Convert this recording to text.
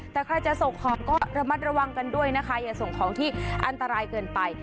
แต่ใครจะส่งของก็ระมัดระวังกันด้วยนะคะอย่าส่งของที่อันตรายเกินไป